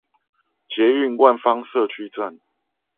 捷運萬芳社區站